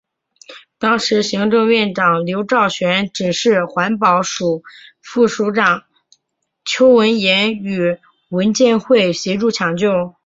当时行政院长刘兆玄指示环保署副署长邱文彦与文建会协助抢救。